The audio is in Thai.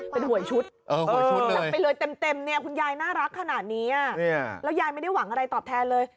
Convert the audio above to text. เป็นหวยชุดหัวชุดกันไปเลยเต็มเนี่ยคุณยายน่ารักขนาดนี้แล้วยายไม่ได้หวังอะไรตอบแทนเลย